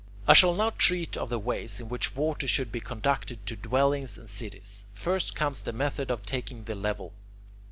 I shall now treat of the ways in which water should be conducted to dwellings and cities. First comes the method of taking the level.